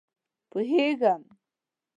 _پوهېږم.